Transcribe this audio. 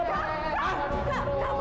kakak udah udah udah